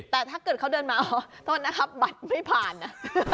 แต่ถ้าเกิดเขาเดินมาอ๋อโทษนะครับบัตรไม่ผ่านนะ